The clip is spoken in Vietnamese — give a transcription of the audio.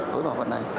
với bảo vận này